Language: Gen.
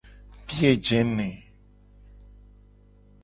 Biye je ne.